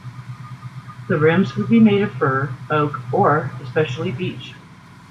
The rims would be made of fir, oak or, especially, beech.